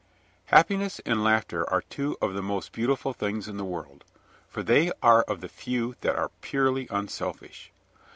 Happiness and laughter are two of the most beautiful things in the world, for they are of the few that are purely unselfish.